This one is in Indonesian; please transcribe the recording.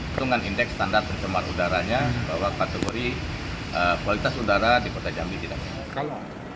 dengan indeks standar pencemaran udaranya bahwa kategori kualitas udara di kota jambi tidak sehat